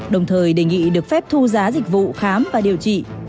đồng thời đề nghị được phép thu giá dịch vụ khám và điều trị